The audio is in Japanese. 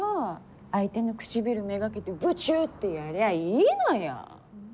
相手の唇めがけてブチュってやりゃいいのよ。